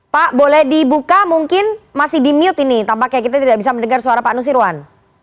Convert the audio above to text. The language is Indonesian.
pak boleh dibuka mungkin masih di mute ini tampaknya kita tidak bisa mendengar suara pak nusirwan